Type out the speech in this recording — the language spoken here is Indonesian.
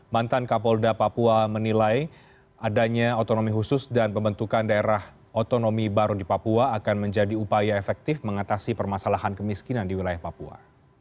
mantan kapolda papua menilai adanya otonomi khusus dan pembentukan daerah otonomi baru di papua akan menjadi upaya efektif mengatasi permasalahan kemiskinan di wilayah papua